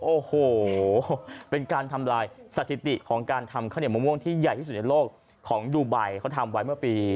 โอ้โหเป็นการทำลายสถิติของการทำข้าวเหนียวมะม่วงที่ใหญ่ที่สุดในโลกของดูไบเขาทำไว้เมื่อปี